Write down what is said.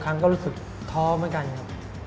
ครั้งก็รู้สึกท้อเหมือนกันครับ